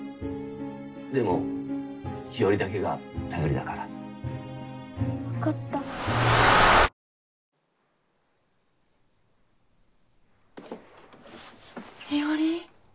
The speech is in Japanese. でも日和だけが頼りだから分かった日和？